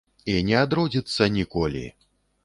І не адродзіцца ніколі.